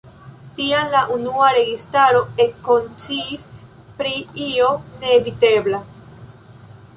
Tiam la usona registaro ekkonsciis pri io neevitebla.